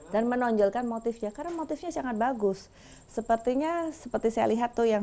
dan menonjolkan motifnya karena motifnya sangat bagus sepertinya seperti saya lihat tuh yang